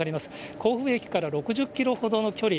甲府駅から６０キロほどの距離。